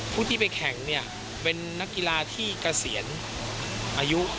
ผู้ที่ไปแข่งเนี่ยเป็นนักกีฬาที่เกษียณอายุ